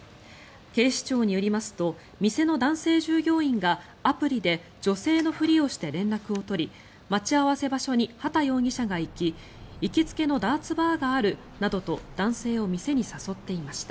警視庁によりますと店の男性従業員がアプリで女性のふりをして連絡を取り待ち合わせ場所に畠容疑者が行き行きつけのダーツバーがあるなどと男性を店に誘っていました。